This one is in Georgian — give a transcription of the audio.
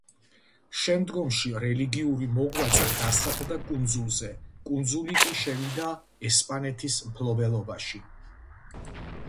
შემდგომში რელიგიური მოღვაწე დასახლდა კუნძულზე, კუნძული კი შევიდა ესპანეთის მფლობელობაში.